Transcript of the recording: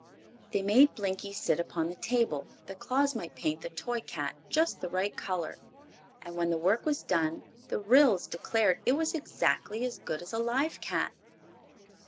They made Blinkie sit upon the table, that Claus might paint the toy cat just the right color, and when the work was done the Ryls declared it was exactly as good as a live cat.